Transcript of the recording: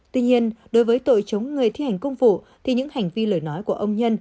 tuy nhiên đối với tội chống người thi hành công vụ thì những hành vi lời nói của ông nhân